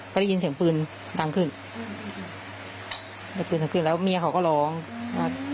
พอได้ยินเสียงปืนดังขึ้นแล้วเมียเขาก็ร้องอ่า